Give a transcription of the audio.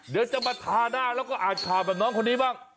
เดี๋ยวจะมาทาหน้าแล้วก็อ่านข่าวแบบน้องคนนี้บ้าง